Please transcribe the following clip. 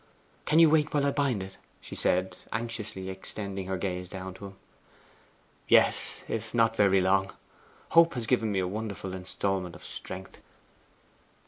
'Can you wait while I bind it?' she said, anxiously extending her gaze down to him. 'Yes, if not very long. Hope has given me a wonderful instalment of strength.